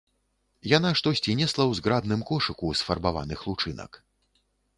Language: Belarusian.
Яна штосьці несла ў зграбным кошыку з фарбаваных лучынак.